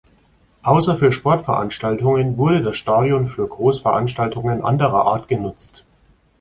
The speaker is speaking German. Außer für Sportveranstaltungen wurde das Stadion für Großveranstaltungen anderer Art genutzt.